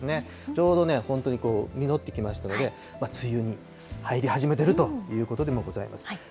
ちょうどね、本当にみのってきましたので、梅雨に入り始めてるということでもございます。